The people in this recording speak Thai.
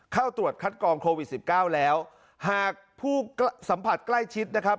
เข้าตรวจคัดกองโควิดสิบเก้าแล้วหากผู้สัมผัสใกล้ชิดนะครับ